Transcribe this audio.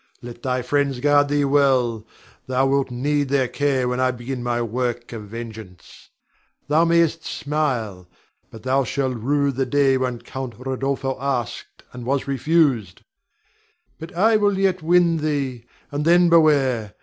Let thy friends guard thee well; thou wilt need their care when I begin my work of vengeance. Thou mayst smile, but thou shalt rue the day when Count Rodolpho asked and was refused. But I will yet win thee, and then beware!